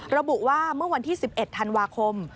ระบุว่าเมื่อวันที่๑๑ธันวาคม